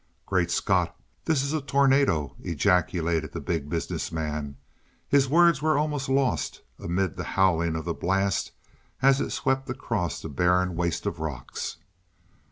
"Great Scott, this is a tornado!" ejaculated the Big Business Man. His words were almost lost amid the howling of the blast as it swept across the barren waste of rocks.